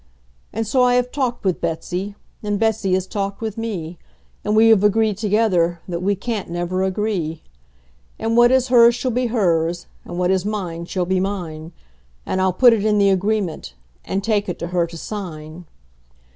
And so I have talked with Betsey, and Betsey has talked with me, And we have agreed together that we can't never agree; And what is hers shall be hers, and what is mine shall be mine; And I'll put it in the agreement, and take it to her to sign.